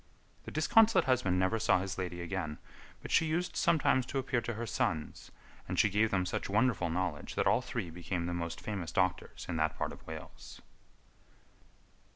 The disconsolate husband never saw his lady again, but she used sometimes to appear to her sons, and she gave them such wonderful knowledge that all three became the most famous doctors in that part of Wales.